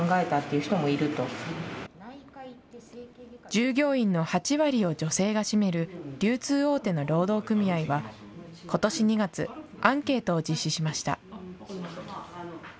従業員の８割を女性が占める流通大手の労働組合は、ことし２月、アンケートを実施しました。